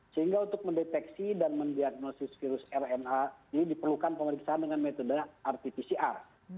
sehingga untuk mendeteksi dan mendiagnosis virus rna ini diperlukan pemeriksaan dengan metode rt pcr